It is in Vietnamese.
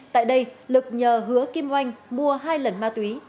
tại đây lực nhờ hứa kim oanh mua hai lần ma túy